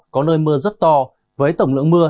có nơi mưa rất to với tổng lượng mưa